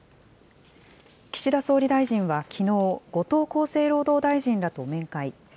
岸田総理大臣は、きのう、後藤厚生労働大臣らと面会。